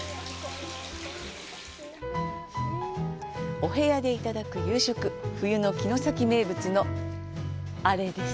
お部屋でいただく夕食冬の城崎名物のアレです。